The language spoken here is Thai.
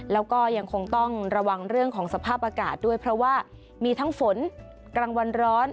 แล้วก็ยังคงต้องระวังเรื่องของสภาพอากาศด้วยเพราะว่ามีทั้งฝนกลางวันร้อน